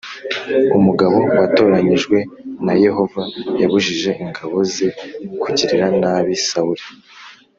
Umugabo watoranyijwe na Yehova yabujije ingabo ze kugirira nabi Sawuli